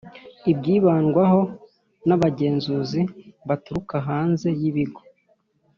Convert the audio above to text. ibyibandwaho n’abagenzuzi baturuka hanze y’ibigo